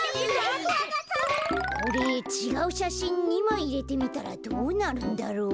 これちがうしゃしん２まいいれてみたらどうなるんだろう。